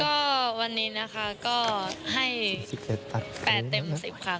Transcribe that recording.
ก็วันนี้นะคะก็ให้๑๑๘เต็ม๑๐ค่ะ